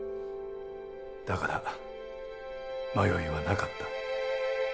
だから迷いはなかった。